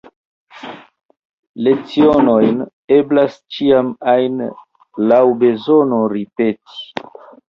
Lecionojn eblas ĉiam ajn laŭ bezono ripeti.